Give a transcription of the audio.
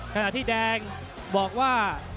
ขณะที่แดงบอกว่า